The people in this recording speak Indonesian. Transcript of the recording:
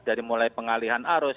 dari mulai pengalihan arus